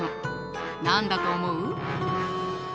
何だと思う？